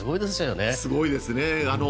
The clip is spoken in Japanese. すごいですね。